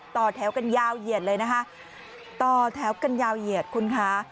ต่อแถวกันยาวเหยียดเลยนะคะต่อแถวกันยาวเหยียดคุณคะ